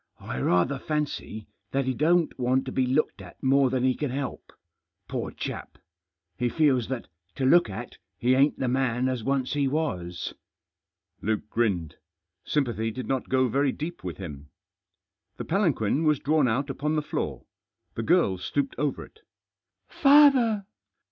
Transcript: " I rather fancy that he don't want to be looked at more than he can help. Poor chap ! he feels that, to look at, he ain't the man as once he was." Luke grinned. Sympathy did not go very deep with him. The palanquin was drawn out upon the floor. The girl stooped over it. "Father!"